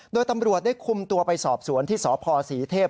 โดยตำรวจได้คุมตัวไปสอบสวนที่สพศรีเทพ